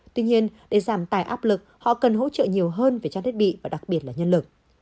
tuy nhiên để giảm tài áp lực họ cần hỗ trợ nhiều hơn về trang thiết bị và đặc biệt là nhân lực